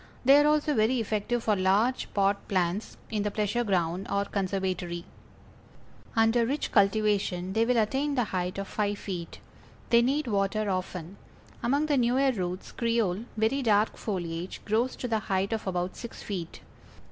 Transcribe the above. They are also very effective for large pot plants in the pleasure ground, or conservatory. Under rich cultivation they will attain the height of five feet. They need water often. Among the newer roots Creole, very dark foliage, grows to the height of about six feet.